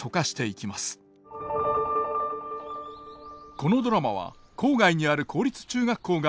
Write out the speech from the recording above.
このドラマは郊外にある公立中学校が舞台。